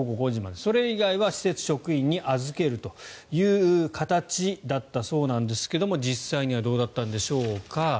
それ以外は施設職員に預けるという形だったそうですが実際にはどうだったんでしょうか。